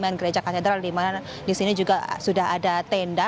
di kawasan gereja katedral dimana disini juga sudah ada tenda